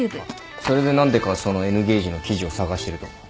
それで何でかそのＮゲージの記事を探してると？